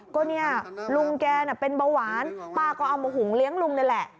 ก็เนี่ยลุงแกน่ะเป็นเบาหวานป้าก็เอามาหุงเลี้ยงลุงนี่แหละ